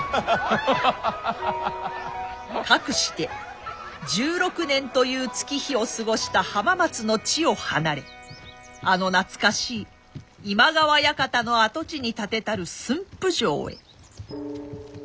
かくして１６年という月日を過ごした浜松の地を離れあの懐かしい今川館の跡地に建てたる駿府城へ。